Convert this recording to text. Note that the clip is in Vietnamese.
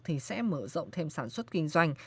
thì sẽ mở rộng thêm sản xuất kinh doanh